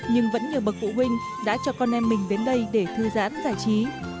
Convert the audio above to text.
nhưng vẫn nhiều bậc phụ huynh đã cho con em mình đến đây để thư giãn giải trí